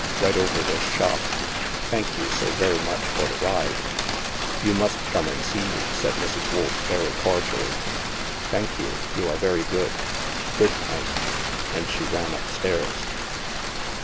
Right over this shop. Thank you so very much for the ride." " You must come and see me," said Mrs. Wolf very cordially. " Thank you. You are very good. Good night'* And she ran up stairs.